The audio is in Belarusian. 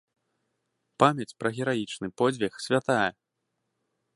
Памяць пра гераічны подзвіг святая.